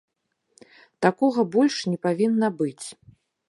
Такога больш не павінна быць.